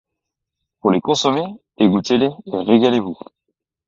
Pour les consommer, égouttez-les et régalez-vous.